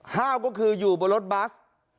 ห้าวก็คืออยู่บนรถบัส